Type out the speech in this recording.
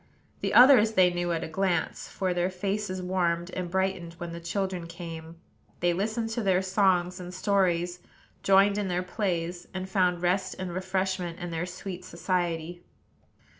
The others they knew at a glance; for their faces warmed and brightened when the children came, they listened to their songs and stories, joined in their plays, and found rest and refreshment in their sweet society.